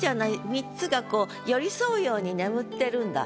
三つがこう寄り添うように眠ってるんだ。